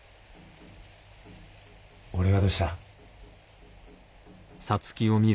お礼はどうした？